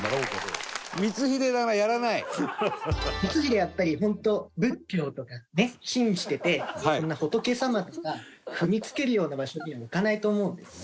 やっぱり本当仏教とかね信じててそんな仏様とか踏みつけるような場所には置かないと思うんですね。